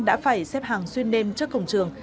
đã phải xếp hàng xuyên đêm trước cổng trường